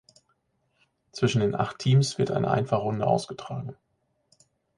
Zwischen den acht Teams wird eine Einfachrunde ausgetragen.